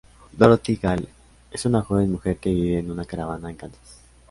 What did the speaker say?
Dorothy Gale es una joven mujer que vive en una caravana en Kansas.